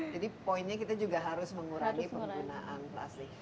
jadi poinnya kita juga harus mengurangi penggunaan plastik